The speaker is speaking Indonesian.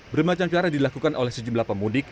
bermacam cara dilakukan oleh sejumlah pemudik